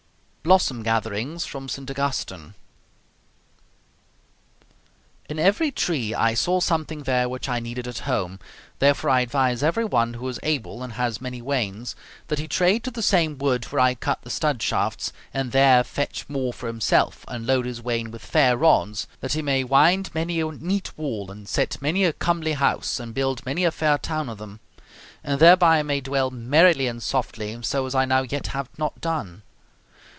BLOSSOM GATHERINGS FROM ST. AUGUSTINE In every tree I saw something there which I needed at home, therefore I advise every one who is able and has many wains, that he trade to the same wood where I cut the stud shafts, and there fetch more for himself and load his wain with fair rods, that he may wind many a neat wall and set many a comely house and build many a fair town of them; and thereby may dwell merrily and softly, so as I now yet have not done.